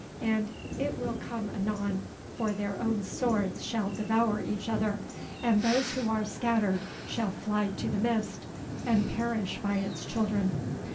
and it will come anon, for their own swords shall devour each other, and those who are scattered shall fly to the Mist, and perish by its Children.